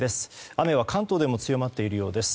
雨は関東でも強まっているようです。